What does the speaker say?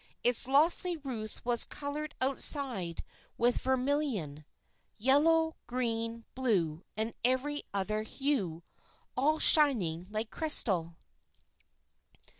Its lofty roof was coloured outside with vermilion, yellow, green, blue, and every other hue, all shining like crystal.